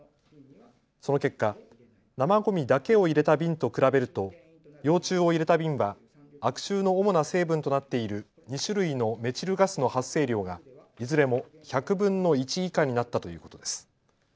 その結果、生ごみだけを入れた瓶と比べると幼虫を入れた瓶は悪臭の主な成分となっている２種類のメチルガスの発生量がいずれも１００分の１以下になったということです。